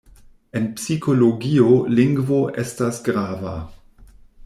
En psikologio lingvo estas grava.